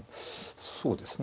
そうですね。